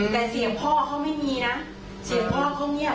แต่เสียงพ่อเขาไม่มีนะเสียงพ่อเขาเงียบ